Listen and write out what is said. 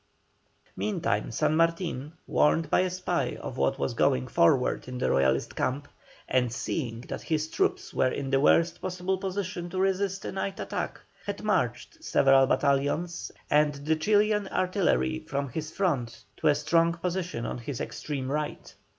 Meantime San Martin, warned by a spy of what was going forward in the Royalist camp, and seeing that his troops were in the worst possible position to resist a night attack, had marched several battalions and the Chilian artillery from his front to a strong position on his extreme right.